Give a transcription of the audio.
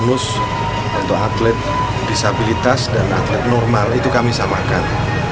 untuk atlet disabilitas dan atlet normal itu kami samakan